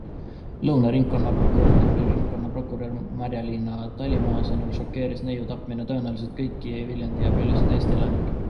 Lõuna Ringkonnaprokuratuuri ringkonnaprokurör Marja-Liina Talimaa sõnul šokeeris neiu tapmine tõenäoliselt kõiki Viljandi ja paljusid Eesti elanikke.